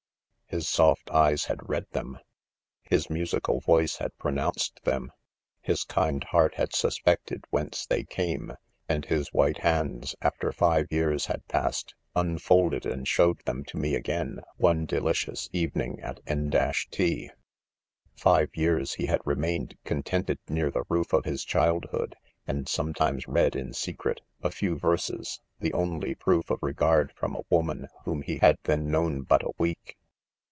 His soft eyes had read them ;— his musical voice had pro nounced them 5 — his kind heart had suspected whence they came ;« and his white hands, after five years had passed, unfolded and showed them to me again, one delicious evening at If —: 1. Five years he had remained con tented near the roof of his childhood, . and sometimes read in secret, a few verses, the only. proof of regard from a woman, whom he had then. known hut a week.